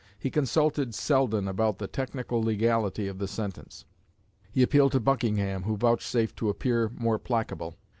He consulted Selden about the technical legality of the sentence. He appealed to Buckingham, who vouchsafed to appear more placable.